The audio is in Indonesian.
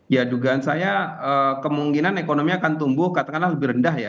ya dugaan saya kemungkinan ekonomi akan tumbuh katakanlah lebih rendah ya